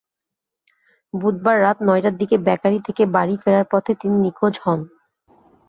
বুধবার রাত নয়টার দিকে বেকারি থেকে বাড়ি ফেরার পথে তিনি নিখোঁজ হন।